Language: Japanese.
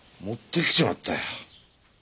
持ってきちまったよ。